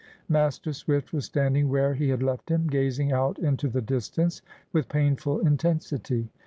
Master Swift was standing where he had left him, gazing out into the distance with painful intensity.